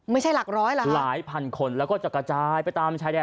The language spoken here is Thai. ไม่ใช่หลักร้อยเหรอครับหลายพันคนแล้วก็จะกระจายไปตามชายแดน